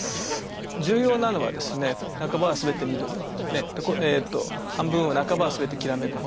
重要なのはですね「半ばはすべて緑」半分は「半ばはすべてきらめく炎」。